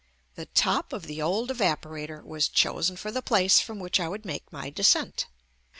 The top of the old evapo rator was chosen for the place from which I would make my descent.